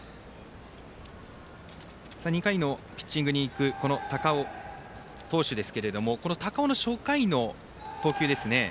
２回のピッチングにいく高尾投手ですけれどもこの高尾の初回の投球ですね。